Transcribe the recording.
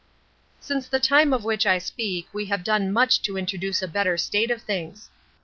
"Since the time of which I speak we have done much to introduce a better state of things.